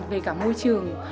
về cả môi trường